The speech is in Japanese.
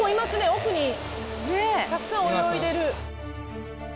奥にたくさん泳いでる。